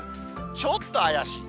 ちょっと怪しい。